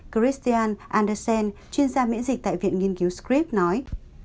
christian andersen chuyên gia miễn dịch tại viện nghiên cứu scripps nói